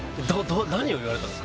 何を言われたんですか？